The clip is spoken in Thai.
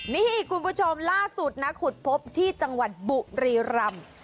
นี่คุณผู้ชมล่าสุดนะขุดพบที่จังหวัดบุรีรำ